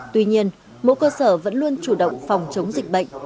tuy nhiên mỗi cơ sở vẫn luôn chủ động phòng chống dịch bệnh